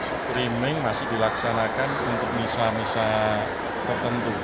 streaming masih dilaksanakan untuk misal misa tertentu